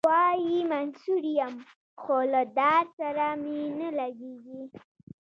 وايي منصور یم خو له دار سره مي نه لګیږي.